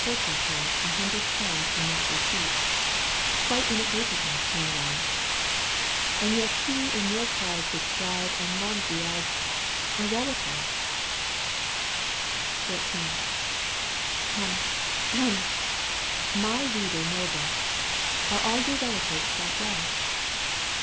107 Where ГазЫопаЫе cirdes meet A hundred times will not repeat, Qtiite inadvertently meanwhfle ; And yet he in your cause would strive And loves you as — a relative I XIV. Ahem ! Ahem ! My reader noble, Are all your relatives quite well